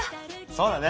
そうだね。